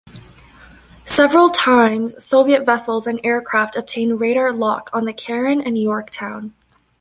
Several times, Soviet vessels and aircraft obtained radar "lock" on the "Caron" and "Yorktown".